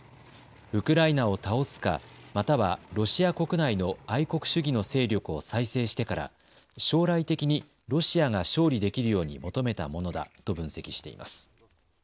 ウクライナを倒すか、またはロシア国内の愛国主義の勢力を再生してから将来的にロシアが勝利できるように求めたものだと分析しています。